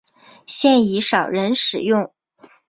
现已少人使用。